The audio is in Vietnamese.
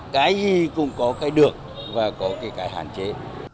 cái gì cũng có cái được và có cái hạn chế